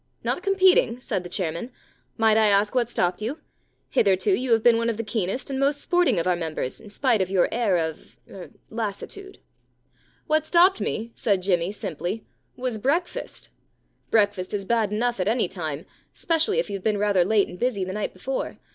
Not competing ?' said the chairman. * Might I ask what stopped you ? Hitherto you have been one of the keenest and most sporting of our members^ in spite of your air of — er — lassitude.* * What stopped me,' said Jimmy simply, * was breakfast. Breakfast is bad enough at any time, especially if you've been rather late and busy the night before.